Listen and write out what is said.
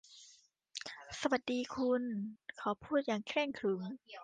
สวัสดีคุณ เขาพูดอย่างเคร่งขรึม